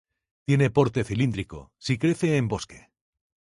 Tiene porte cilíndrico si crece en bosque.